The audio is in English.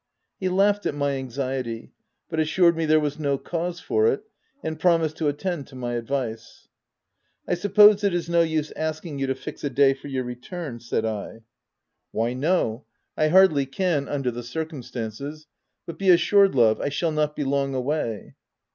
He laughed at my anxiety, but assured me there w r as no cause for it, and promised to attend to my advice. " I suppose it is no use asking you to fix a day for your return V said I. 162 THE TENANT " Why, no : I hardly can, under the cir cumstances ; but be assured, love, I shall not be long away."